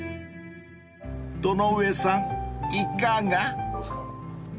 ［戸上さんいかが？］